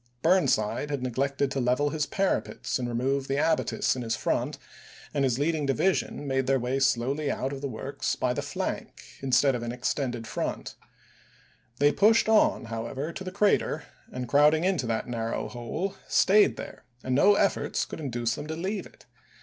Burnside had neglected to level his para Report pets and remove the abatis in his front, and his Committee x ....., of the'wax lading division made their way slowly out of the parti', works by the flank instead of in extended front. P. 182. They pushed on, however, to the crater, and crowd ing into that narrow hole, stayed there, and no efforts could induce them to leave it.